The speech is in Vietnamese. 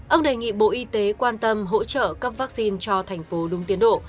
ông đề nghị bộ y tế quan tâm hỗ trợ cấp vaccine cho thành phố đúng tiến độ